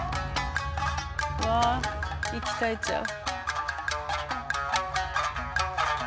うわ息絶えちゃう。